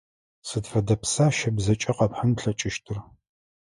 Сыд фэдэ пса щыбзэкӀэ къэпхьын плъэкӀыщтыр?